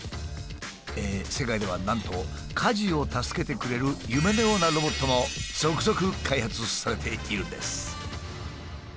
世界ではなんと家事を助けてくれる夢のようなロボットも続々開発されているんです。